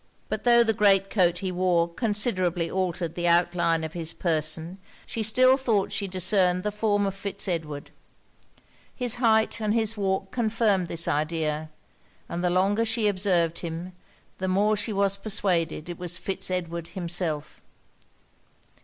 But tho' the great coat he wore considerably altered the outline of his person, she still thought she discerned the form of Fitz Edward. His height and his walk confirmed this idea; and the longer she observed him, the more she was persuaded it was Fitz Edward himself.